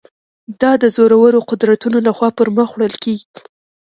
دا د زورورو قدرتونو له خوا پر مخ وړل کېږي.